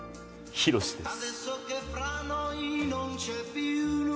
ヒロシです。